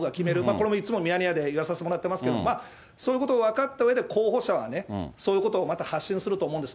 これもいつもミヤネ屋で言わさせてもらってますけど、まあ、そういうことを分かったうえで、候補者はね、そういうことをまた発信すると思うんです。